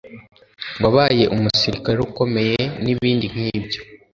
wabaye umusirikare ukomeye n’ibindi nk’ibyo